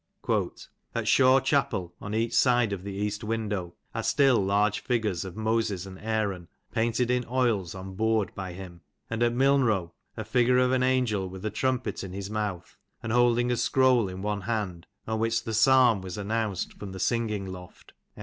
"At Shaw "chapel on each side of the east window are still large figures of "Moses and Aaron painted in oils on board by him, and at Miln " row a figure of an angel with a trumpet in his mouth, and holding " a scroll in one hand on which the psalm was announced from the "singing loft" (77.)